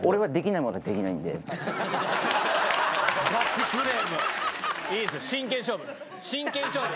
いいですね